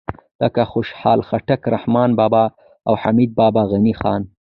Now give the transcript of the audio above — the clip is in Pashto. لکه خوشحال خټک، رحمان بابا او حمید بابا، غني خان